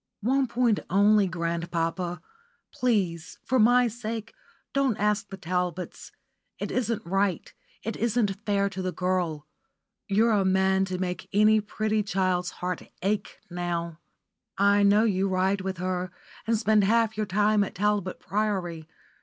"One point only, grandpapa. Please, for my sake, don't ask the Talbots. It isn't right; it isn't fair to the girl. You're a man to make any pretty child's heart ache now. I know you ride with her, and spend half your time at Talbot Priory.